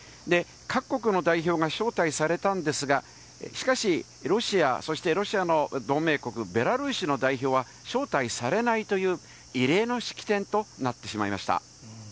各国の代表が招待されたんですが、しかし、ロシア、そしてロシアの同盟国、ベラルーシの代表は招待されないという、異例の式典となってしまいました。